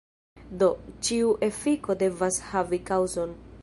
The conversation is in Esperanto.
Do, ĉiu efiko devas havi kaŭzon.